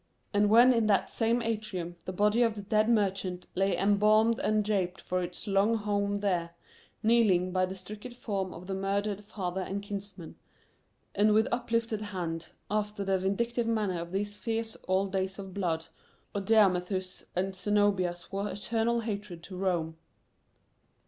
And when in that same atrium the body of the dead merchant lay embalmed and draped for its "long home," (2) there, kneeling by the stricken form of the murdered father and kinsman, and with uplifted hand, after the vindictive manner of these fierce old days of blood, Odaemathus and Zenobia swore eternal hatred to Rome. (1) The large central "living room" of a Roman palace.